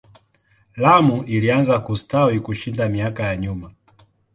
Lamu ilianza kustawi kushinda miaka ya nyuma.